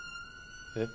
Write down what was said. えっ？